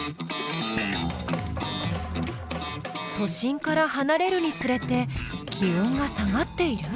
都心からはなれるにつれて気温が下がっている。